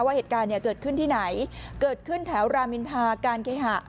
เหตุการณ์เนี่ยเกิดขึ้นที่ไหนเกิดขึ้นแถวรามินทาการเคหะ